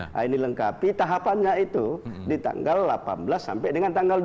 nah ini lengkapi tahapannya itu di tanggal delapan belas sampai dengan tanggal dua puluh